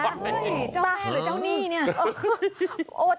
เจ้าแม่หรือเจ้านี่เนี่ย